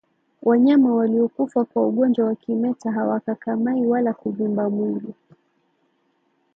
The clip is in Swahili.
Wanyama waliokufa kwa ugonjwa wa kimeta hawakakamai wala kuvimba mwili